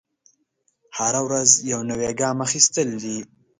هره ورځ یو نوی ګام اخیستل دی.